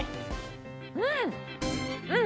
うん！